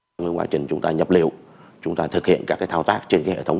trong quá trình chúng ta nhập liệu chúng ta thực hiện các thao tác trên hệ thống